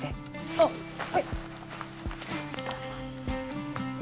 あっはい。